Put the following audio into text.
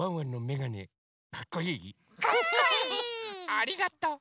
ありがとう！